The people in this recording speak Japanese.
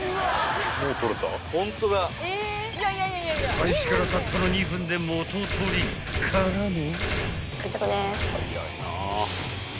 ［開始からたったの２分で元とりからの］